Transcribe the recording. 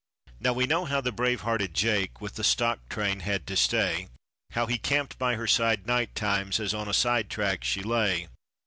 Now we know how the brave hearted Jake with the stock train had to stay, How he camped by her side night times as on a sidetrack she lay.